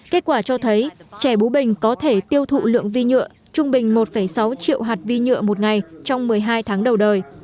kết quả cho thấy trẻ bú bình có thể tiêu thụ lượng vi nhựa trung bình một sáu triệu hạt vi nhựa một ngày trong một mươi hai tháng đầu đời